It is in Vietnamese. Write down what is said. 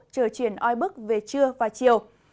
trời chuyển oi bức về trưa và chiều